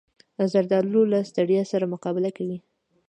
زردالو له ستړیا سره مقابله کوي.